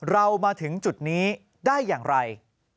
เรามาถึงจุดนี้ได้อย่างไร